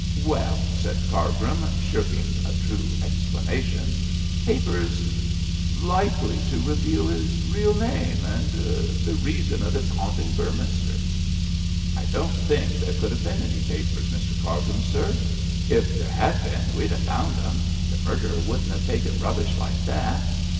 'Well!' said Cargrim, shirking a true explanation, 'papers likely to reveal his real name and the reason of his haunting Beorminster.' 'I don't think there could have been any papers, Mr Cargrim, sir. If there had been, we'd ha' found 'em. The murderer wouldn't have taken rubbish like that.'